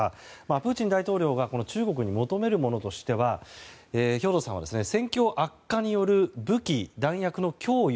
プーチン大統領がこの中国に求めるものとしては兵頭さんは、戦況悪化による武器・弾薬の供与。